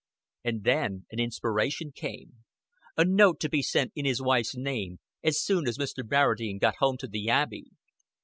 And then an inspiration came. A note to be sent in his wife's name, as soon as Mr. Barradine got home to the Abbey.